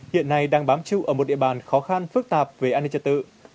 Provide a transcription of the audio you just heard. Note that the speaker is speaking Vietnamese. hiện nay đang bám trụ ở một địa bàn khó khăn phức tạp về an ninh trật tự